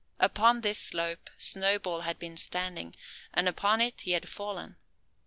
Upon this slope Snowball had been standing; and upon it had he fallen.